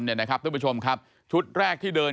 ท่านผู้ชมครับชุดแรกที่เดิน